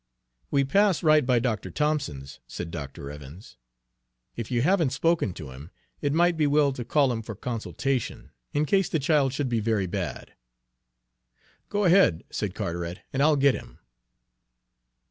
"We pass right by Dr. Thompson's," said Dr. Evans. "If you haven't spoken to him, it might be well to call him for consultation, in case the child should be very bad." "Go on ahead," said Carteret, "and I'll get him."